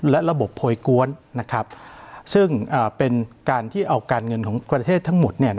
และระบบโพยกวนซึ่งเป็นการที่เอาการเงินของประเทศทั้งหมด